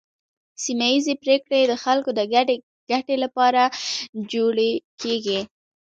سیمه ایزې پریکړې د خلکو د ګډې ګټې لپاره جوړې کیږي.